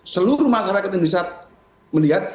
seluruh masyarakat indonesia melihat